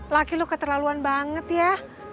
laki lu keterlaluan banget ya